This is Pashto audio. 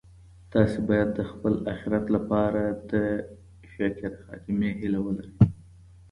تاسي باید د خپل اخیرت لپاره د شاکره خاتمې هیله ولرئ.